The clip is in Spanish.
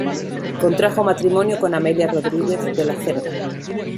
Contrajo matrimonio con Amelia Rodríguez de la Cerda.